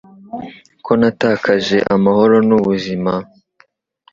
ko natakaje amahoro n'ubuzima